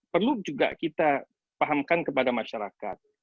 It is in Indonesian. perlu juga kita pahamkan kepada masyarakat